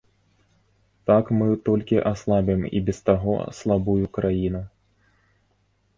Так мы толькі аслабім і без таго слабую краіну.